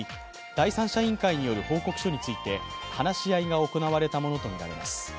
第三者委員会による報告書について話し合いが行われたものとみられます。